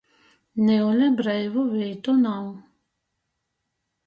Niule breivu vītu nav.